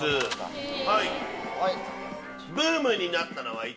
はい！